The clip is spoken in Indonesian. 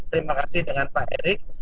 terima kasih dengan pak erik